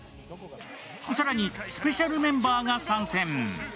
更に、スペシャルメンバーが参戦。